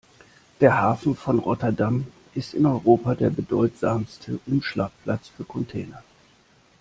Der Hafen von Rotterdam ist in Europa der bedeutsamste Umschlagplatz für Container.